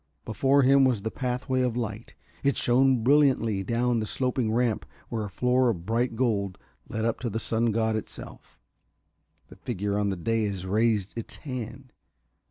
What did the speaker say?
Before him was the pathway of light: it shone brilliantly down the sloping ramp where a floor of bright gold led up to the sun god itself. The figure on the dais raised its hand.